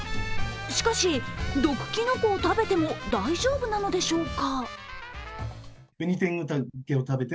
しかし、毒きのこを食べても大丈夫なのでしょうか？